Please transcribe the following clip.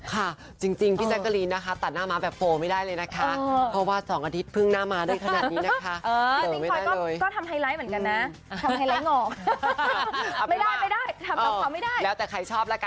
ค่ะจริงพี่แจ๊กกะรีนนะคะตัดหน้าม้าแบบโฟลไม่ได้เลยนะคะเพราะว่า๒อาทิตย์เพิ่งหน้าม้าได้ขนาดนี้นะคะ